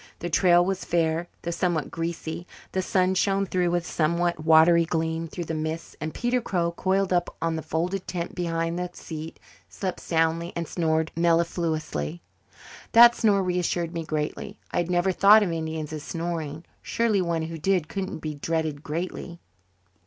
The trail was fair, though somewhat greasy; the sun shone, though with a somewhat watery gleam, through the mists; and Peter Crow, coiled up on the folded tent behind the seat, slept soundly and snored mellifluously. That snore reassured me greatly. I had never thought of Indians as snoring. Surely one who did couldn't be dreaded greatly.